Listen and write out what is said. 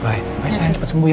baik baik sayang cepat sembuh ya